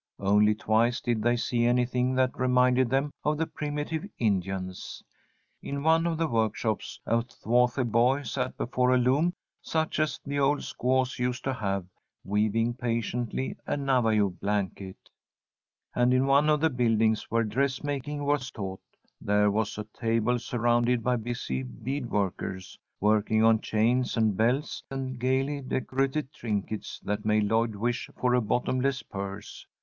Only twice did they see anything that reminded them of the primitive Indians. In one of the workshops a swarthy boy sat before a loom such as the old squaws used to have, weaving patiently a Navajo blanket. And in one of the buildings where dressmaking was taught there was a table surrounded by busy bead workers, working on chains and belts and gaily decorated trinkets that made Lloyd wish for a bottomless purse.